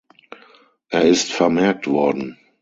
Er ist vermerkt worden.